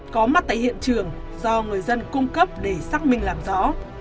có mặt tại hiện trường do người dân cung cấp để xác minh làm rõ